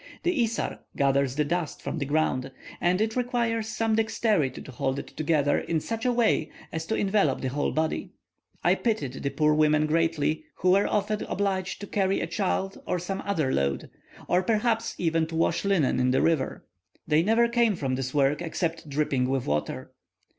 The isar gathers the dust from the ground, and it requires some dexterity to hold it together in such a way as to envelop the whole body. I pitied the poor women greatly, who were often obliged to carry a child, or some other load, or perhaps even to wash linen in the river. They never came from this work, except dripping with water.